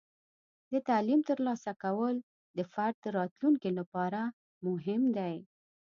د تعلیم ترلاسه کول د فرد د راتلونکي لپاره مهم دی.